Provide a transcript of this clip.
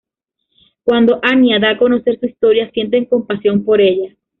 Cuando Anya da a conocer su historia, sienten compasión por ella.